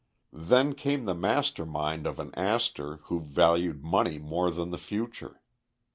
Then came the master mind of an Astor who valued money more than the future.